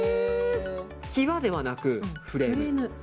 際ではなく、フレーム。